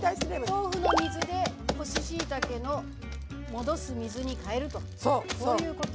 豆腐の水で干ししいたけの戻す水に代えるとそういうこと。